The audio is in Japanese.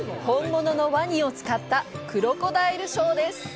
本物のワニを使ったクロコダイルショーです。